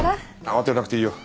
慌てなくていいよ。